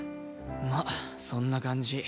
まっそんな感じ。